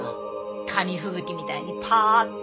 紙吹雪みたいにパッて。